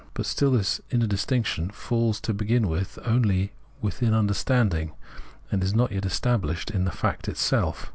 But still this inner distinction falls to begin with only within under standing, and is not yet estabhshed in the fact itself.